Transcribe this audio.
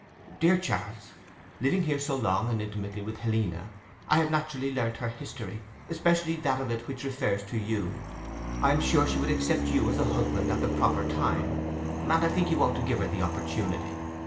] 'DEAR CHARLES,—Living here so long and intimately with Helena, I have naturally learnt her history, especially that of it which refers to you. I am sure she would accept you as a husband at the proper time, and I think you ought to give her the opportunity.